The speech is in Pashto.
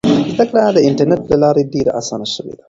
زده کړه د انټرنیټ له لارې ډېره اسانه سوې ده.